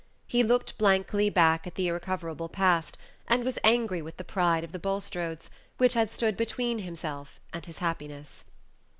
He looked blankly back at the irrecoverable past, and was angry with the pride of the Bulstrodes, which had stood between himself and his happiness.